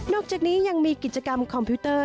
จากนี้ยังมีกิจกรรมคอมพิวเตอร์